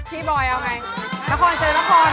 พี่บอยเอาไงนครเจอนนครเหรอ